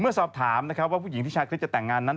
เมื่อสอบถามว่าผู้หญิงที่ชาคริสจะแต่งงานนั้น